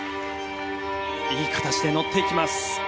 いい形で乗っていきます。